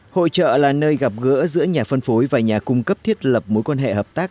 hội trợ là nơi gặp gỡ giữa nhà phân phối và nhà cung cấp thiết lập mối quan hệ hợp tác